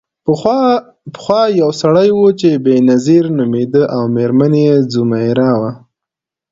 پخوا یو سړی و چې بینظیر نومیده او میرمن یې ځمیرا وه.